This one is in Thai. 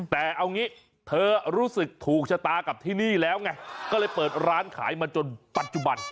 แต่เอางี้เธอรู้สึกถูกชะตากับที่นี่แล้วไงก็เลยเปิดร้านขายมาจนปัจจุบัน